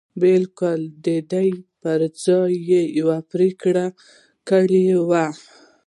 بلکې د دې پر ځای يې يوه پرېکړه کړې وه.